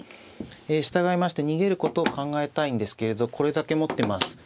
従いまして逃げることを考えたいんですけれどこれだけ持ってます。